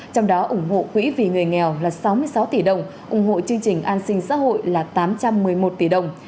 trong đó ủng hộ quỹ vì người nghèo là sáu mươi sáu tỷ đồng ủng hộ chương trình an sinh xã hội là tám trăm một mươi một tỷ đồng